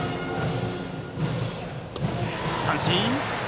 三振！